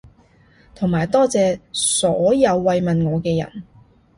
同埋多謝所有慰問我嘅人